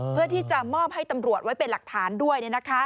เพื่อที่จะมอบให้ตำรวจไว้เป็นหลักฐานด้วย